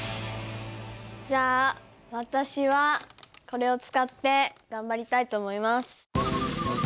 じゃあ私はこれを使って頑張りたいと思います。